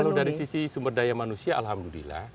kalau dari sisi sumber daya manusia alhamdulillah